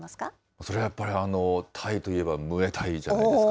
それはやっぱり、タイといえばムエタイじゃないですか？